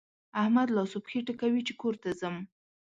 احمد لاس و پښې ټکوي چې کور ته ځم.